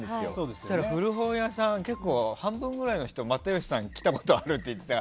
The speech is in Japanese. そうしたら、古本屋さんの半分ぐらいの人が又吉さん来たことあるって言ってて。